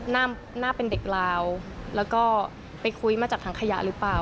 หน้าเป็นเด็กลาวแล้วก็ไปคุยมาจากถังขยะหรือเปล่า